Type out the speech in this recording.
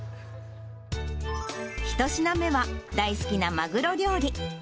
１品目は、大好きなマグロ料理。